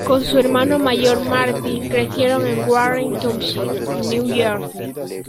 Con su hermano mayor Martin crecieron en Warren Township, New Jersey.